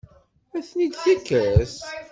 Ad ten-id-tekkes?